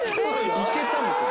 いけたんですよ